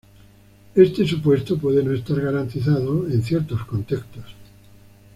Este supuesto puede no estar garantizado en ciertos contextos.